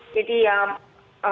jadi ya akhirnya semakin banyak